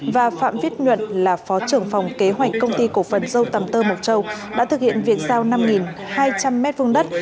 và phạm viết nhuận là phó trưởng phòng kế hoạch công ty cổ phần dâu tầm tơ mộc châu đã thực hiện việc giao năm hai trăm linh m hai đất